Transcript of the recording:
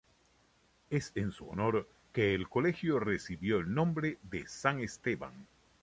Es en su honor que el Colegio recibió el nombre de San Esteban.